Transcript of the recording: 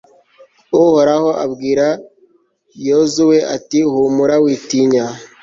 uhoraho abwira yozuwe ati humura witinya